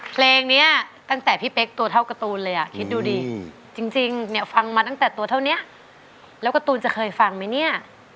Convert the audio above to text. เพลงนี้ตั้งแต่พี่เป๊กตัวเท่าการ์ตูนเลยอ่ะคิดดูดิจริงเนี่ยฟังมาตั้งแต่ตัวเท่านี้แล้วการ์ตูนจะเคยฟังไหมเนี่ย